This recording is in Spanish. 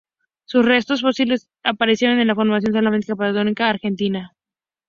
Sus restos fósiles aparecieron en la Formación Salamanca, Patagonia, Argentina.